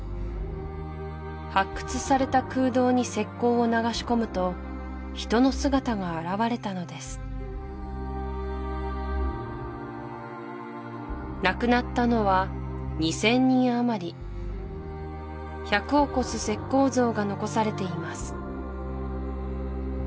発掘された空洞に石膏を流し込むと人の姿が現れたのです亡くなったのは２０００人あまり１００を超す石膏像が残されています